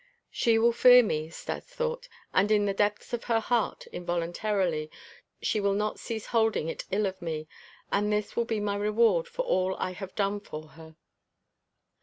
"She will fear me," Stas thought, "and in the depths of her heart, involuntarily, she will not cease holding it ill of me, and this will be my reward for all that I have done for her."